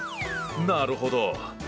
なるほど。